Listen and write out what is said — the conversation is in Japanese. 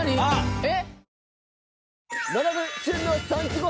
えっ？